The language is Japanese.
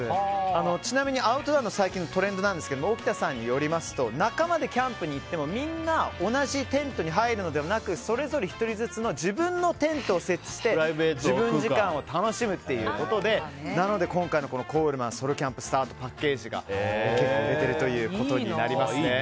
ちなみにアウトドアの最近のトレンドですが沖田さんによりますと仲間でキャンプに行ってもみんな同じテントに入るのではなくそれぞれ１人ずつの自分のテントを設置して自分時間を楽しむということでなので今回のコールマンソロキャンプスタートパッケージが売れているということになります。